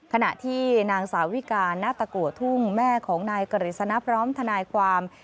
ขณะที่นางสาวิกาณตะกัวทุ่งแม่ของนายกฤษณะพร้อมทนายความ